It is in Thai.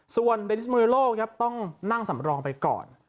ส่วนเบนส์มือโลกครับต้องนั่งสำรองไปก่อน